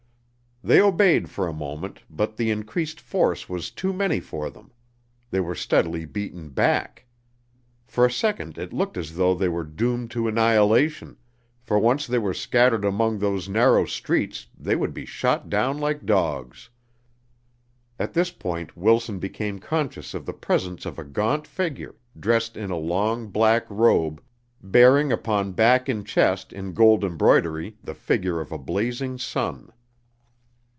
They obeyed for a moment, but the increased force was too many for them; they were steadily beaten back. For a second it looked as though they were doomed to annihilation, for once they were scattered among those narrow streets they would be shot down like dogs. At this point Wilson became conscious of the presence of a gaunt figure, dressed in a long, black robe, bearing upon back and chest in gold embroidery the figure of a blazing sun.